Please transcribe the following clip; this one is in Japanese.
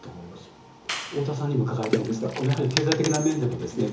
大田さんにも伺いたいんですがやはり、経済的な面でもですね